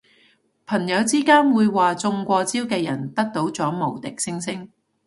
朋友之間會話中過招嘅人得到咗無敵星星